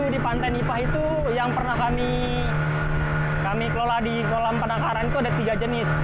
di pantai nipah itu yang pernah kami kelola di kolam penangkaran itu ada tiga jenis